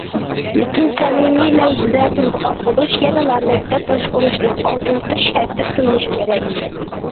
لېكىن سەمىمىي، لەۋزىدە تۇرىدىغان بولۇش يەنىلا مەكتەپ باشقۇرۇشنىڭ ئالدىنقى شەرتى قىلىنىشى كېرەك.